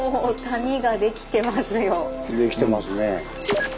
できてますね。